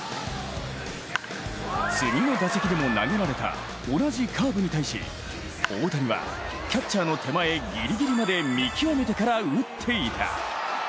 次の打席でも投げられた同じカーブに対し大谷はキャッチャーの手前ギリギリまで見極めてから打っていた。